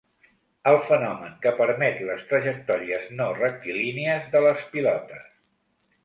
El fenomen que permet les trajectòries no rectilínies de les pilotes.